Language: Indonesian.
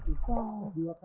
ini berdalam di danau nyadeng